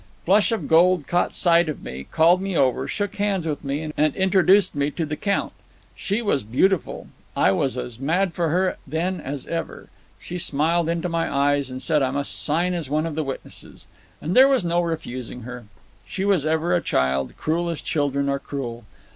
"Flush of Gold caught sight of me, called me over, shook hands with me, and introduced me to the Count. She was beautiful. I was as mad for her then as ever. She smiled into my eyes and said I must sign as one of the witnesses. And there was no refusing her. She was ever a child, cruel as children are cruel.